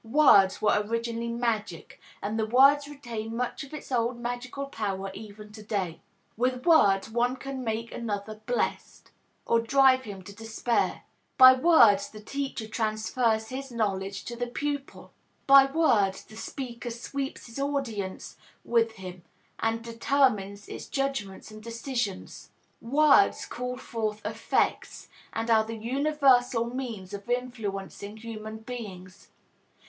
Words were originally magic, and the word retains much of its old magical power even to day. With words one man can make another blessed, or drive him to despair; by words the teacher transfers his knowledge to the pupil; by words the speaker sweeps his audience with him and determines its judgments and decisions. Words call forth effects and are the universal means of influencing human beings.